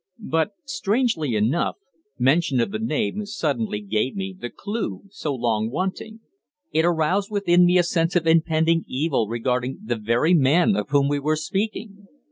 But, strangely enough, mention of the name suddenly gave me the clue so long wanting. It aroused within me a sense of impending evil regarding the very man of whom we were speaking.